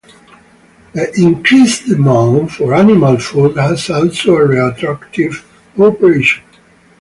The increased demand for animal food has also a retroactive operation.